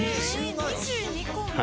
２２個も！